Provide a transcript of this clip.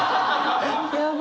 やば！